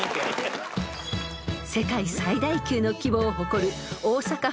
［世界最大級の規模を誇る］